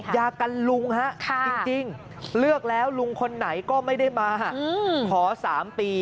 ยากันลุงฮะจริงเลือกแล้วลุงคนไหนก็ไม่ได้มาขอ๓ปี